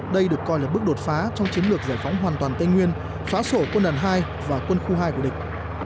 đây được coi là bước đột phá trong chiến lược giải phóng hoàn toàn tây nguyên xóa sổ quân đoàn hai và quân khu hai của địch